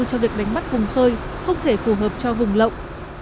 cho việc đánh bắt vùng khơi không thể phù hợp cho vùng lộng